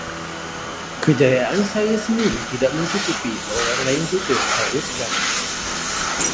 Kejayaan saya sendiri tidak mencukupi, orang lain juga harus gagal.